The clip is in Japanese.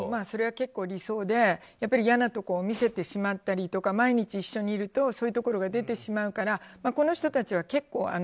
それは結構、理想でやっぱりいやなところを見せてしまったり毎日一緒にいるとそういうところが出てしまうからこの人たちは結構。